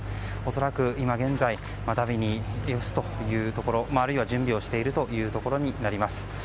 恐らく、今現在だびに付すというところあるいは準備をしているということになります。